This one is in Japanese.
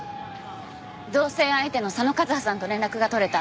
同棲相手の佐野和葉さんと連絡が取れた。